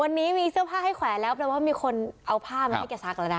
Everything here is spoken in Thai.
วันนี้มีเสื้อผ้าให้แขวนแล้วแปลว่ามีคนเอาผ้ามาให้แกซักแล้วนะ